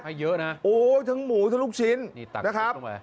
เยอะนะโอ้ยทั้งหมูทั้งลูกชิ้นนะครับ